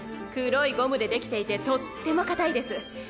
黒いゴムでできていてとっても硬いです。